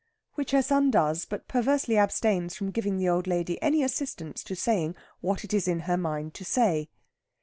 Which her son does, but perversely abstains from giving the old lady any assistance to saying what is in her mind to say.